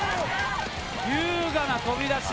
優雅な飛び出し。